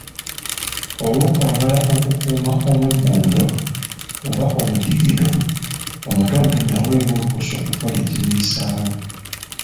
Olw’okwagala okukuuma omweggundo oba omudigido, omutontomi aweebwa olukusa okukola ekimuyisaawo.